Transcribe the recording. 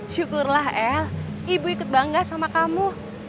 syukurlah el ibu ikut bangga sama kamu